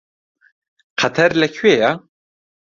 قەتەر لەکوێیە؟